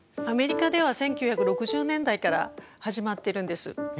アメリカでは１９６０年代から始まってるんです。